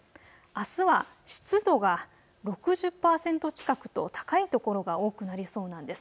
あすは湿度が６０％近くと高い所が多くなりそうなんです。